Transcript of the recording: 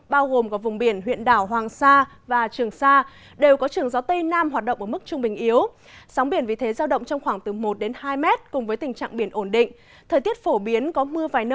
bao gồm có vùng biển huyện đảo hoàng sa và trường sa đều có trường gió tây nam hoạt động ở mức trung bình yếu